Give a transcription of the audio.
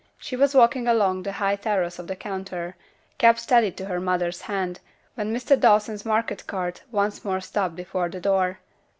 She was walking along the high terrace of the counter, kept steady by her mother's hand, when Mr. Dawson's market cart once more stopped before the door.